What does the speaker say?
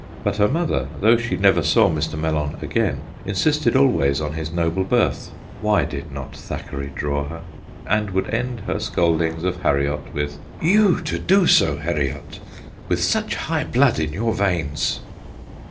But her mother, though she never saw Mr. Mellon again, insisted always on his noble birth why did not Thackeray draw her ? and would end her scoldings of Harriot with ' You to do so, Harriot, with 208 THE GHOSTS OF PICCADILLY such high blood in your veins